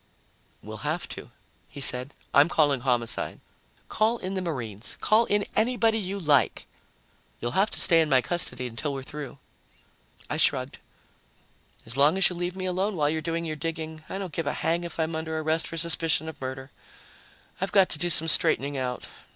"We'll have to," he said. "I'm calling Homicide." "Call in the Marines. Call in anybody you like." "You'll have to stay in my custody until we're through." I shrugged. "As long as you leave me alone while you're doing your digging, I don't give a hang if I'm under arrest for suspicion of murder. I've got to do some straightening out.